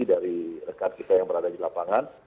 dari rekan kita yang berada di lapangan